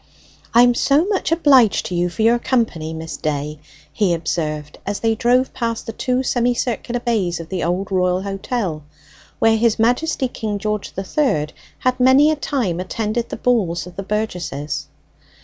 "I am so much obliged to you for your company, Miss Day," he observed, as they drove past the two semicircular bays of the Old Royal Hotel, where His Majesty King George the Third had many a time attended the balls of the burgesses.